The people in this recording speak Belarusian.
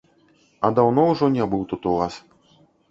А даўно ўжо не быў тут у вас.